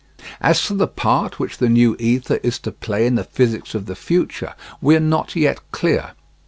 As to the part which the new ether is to play in the physics of the future we are not yet clear.